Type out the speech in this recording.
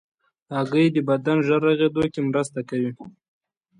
هګۍ د بدن ژر رغېدو کې مرسته کوي.